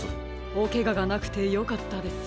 おケガがなくてよかったです。